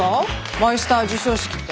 マイスター授賞式って。